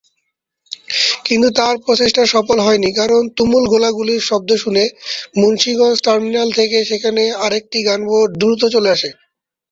কিন্তু তার সে প্রচেষ্টা সফল হয়নি কারণ তুমুল গোলাগুলির শব্দ শুনে মুন্সিগঞ্জ টার্মিনাল থেকে সেখানে আরেকটি গানবোট দ্রুত চলে আসে।